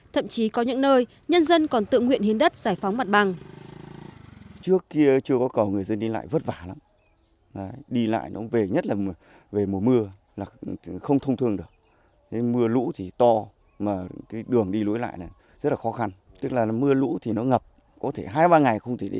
thậm chí có những nơi nhân dân còn tự nguyện hiến đất giải phóng mặt bằng